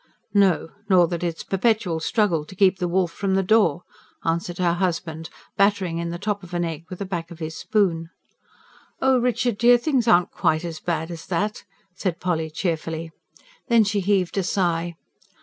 "No ... nor that it's a perpetual struggle to keep the wolf from the door," answered her husband, battering in the top of an egg with the back of his spoon. "Oh, Richard dear, things aren't quite so bad as that," said Polly cheerfully. Then she heaved a sigh.